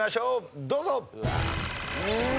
どうぞ！